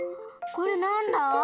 これなんだ？